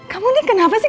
kamu ini kenapa sih